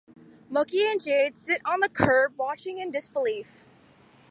Mookie and Jade sit on the curb, watching in disbelief.